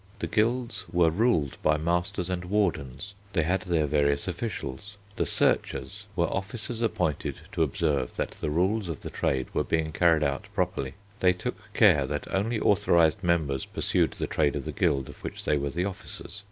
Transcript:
The guilds were ruled by masters and wardens. They had their various officials. The searchers were officers appointed to observe that the rules of the trade were being carried out properly. They took care that only authorised members pursued the trade of the guild of which they were the officers.